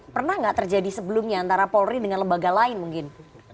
pernah nggak terjadi sebelumnya antara polri dengan lembaga lain mungkin